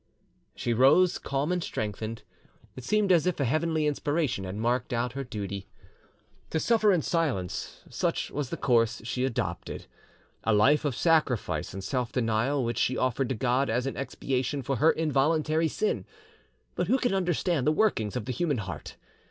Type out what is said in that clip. She rose calm and strengthened: it seemed as if a heavenly inspiration had marked out her duty. To suffer in silence, such was the course she adopted,—a life of sacrifice and self denial which she offered to God as an expiation for her involuntary sin. But who can understand the workings of the human heart?